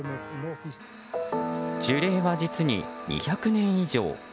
樹齢は実に２００年以上。